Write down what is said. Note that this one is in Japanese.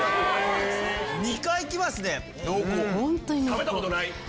食べたことない？